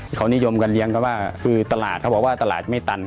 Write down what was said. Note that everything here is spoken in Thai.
เขานิยมกันเลี้ยงเขาว่าคือตลาดเขาบอกว่าตลาดไม่ตัน